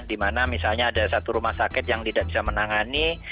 di mana misalnya ada satu rumah sakit yang tidak bisa menangani